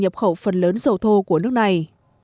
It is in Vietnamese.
nhập khẩu phần lớn dầu thô của nước này